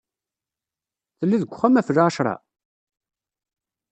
Telliḍ deg uxxam ɣef lɛecṛa?